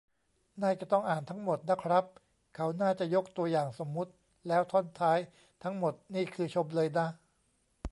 น่าจะต้องอ่านทั้งหมดนะครับ เขาน่าจะยกตัวอย่างสมมติ แล้วท่อนท้ายทั้งหมดนี่คือชมเลยนะ